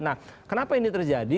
nah kenapa ini terjadi